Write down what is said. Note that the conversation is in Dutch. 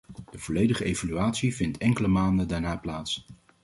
De volledige evaluatie vindt enkele maanden daarna plaats.